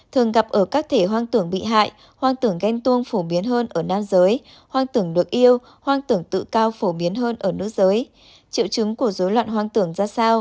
thường gặp ở các thể hoang tưởng bị hại hoang tưởng ghen tuông phổ biến hơn ở nam giới hoang tưởng được yêu hoang tưởng tự cao phổ biến hơn ở nước giới